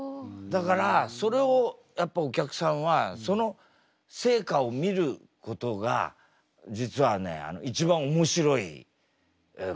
だからそれをやっぱお客さんはその成果を見ることが実はね一番面白いことなんだよ。